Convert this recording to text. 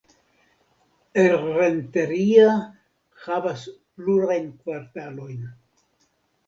Errenteria havas plurajn kvartalojn.